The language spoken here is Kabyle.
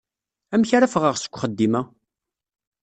Amek ara ffɣeɣ seg uxeddim-a?